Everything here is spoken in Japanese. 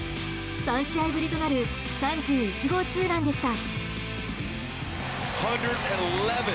３試合ぶりとなる３１号ツーランでした。